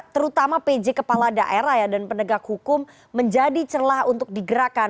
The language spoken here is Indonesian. terutama pj kepala daerah ya dan penegak hukum menjadi celah untuk digerakkan